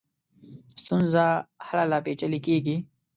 ستونزه هله لا پېچلې کېږي.